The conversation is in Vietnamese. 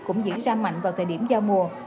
cũng diễn ra mạnh vào thời điểm giao mùa